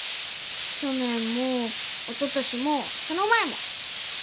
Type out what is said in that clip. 去年もおととしもその前も。